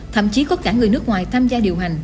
thậm chí có cả người nước ngoài tham gia điều hành